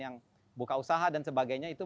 yang buka usaha dan sebagainya itu